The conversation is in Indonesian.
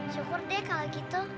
syukur deh kalau gitu